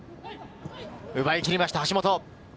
奪い切りました、橋本。